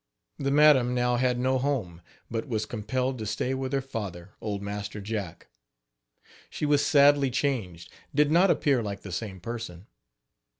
The madam now had no home, but was compelled to stay with her father, old Master Jack. She was sadly changed did not appear like the same person.